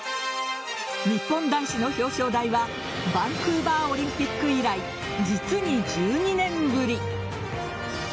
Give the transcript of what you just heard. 日本男子の表彰台はバンクーバーオリンピック以来実に１２年ぶり。